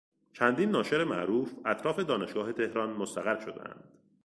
چندین ناشر معروف اطراف دانشگاه تهران مستقر شدهاند.